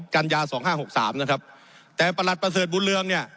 กัญญาสองห้าหกสามนะครับแต่ประหลัดประเสริฐบุญเรืองเนี่ย